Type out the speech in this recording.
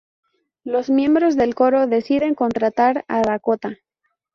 Los miembros del coro deciden contratar a Dakota.